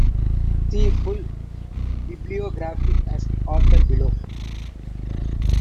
See full bibliography as author below.